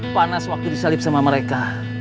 panas waktu disalip sama mereka